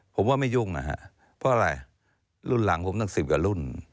ผมว่าไม่ยุ่งนะฮะเพราะอะไรรุ่นหลังผมตั้ง๑๐กว่ารุ่น